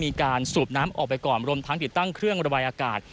มีการสูบน้ำออกไปก่อนรวมทั้งติดตั้งเครื่องระบายอากาศ